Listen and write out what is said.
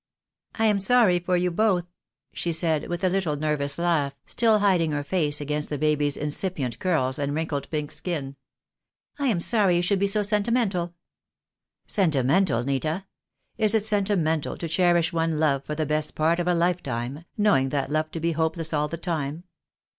"I am sorry for you both," she said, with a little nervous laugh, still hiding her face against the baby's in cipient curls and wrinkled pink skin. "I am sorry you should be so sentimental." "Sentimental, Nita! Is it sentimental to cherish one love for the best part of a lifetime, knowing that love to be hopeless all the time?